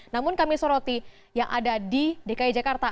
namun kami soroti yang ada di dki jakarta